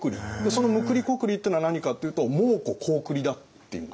そのむくりこくりっていうのは何かっていうと蒙古高句麗だっていう。